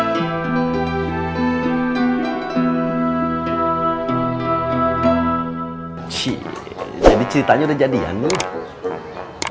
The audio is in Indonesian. ciee jadi ceritanya udah jadian tuh